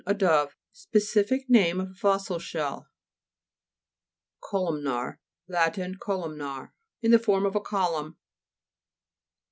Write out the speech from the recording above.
A dove. Specific name of a fossil shell. COLUMNA'RE Lat. Columnar. In form of a column.